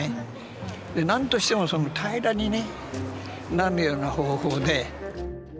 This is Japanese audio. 何としても平らにねなるような方法で。